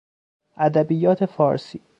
ادبیات فارسی